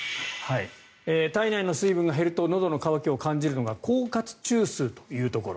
体内の水分が減るとのどの渇きを感じるのが口渇中枢というところ。